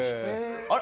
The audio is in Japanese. あれ？